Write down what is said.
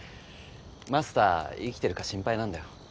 マスター生きてるか心配なんだよ。